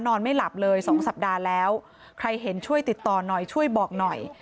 ไม่หลับเลยสองสัปดาห์แล้วใครเห็นช่วยติดต่อหน่อยช่วยบอกหน่อย